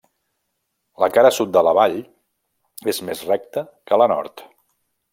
La cara sud de la vall és més recta que la nord.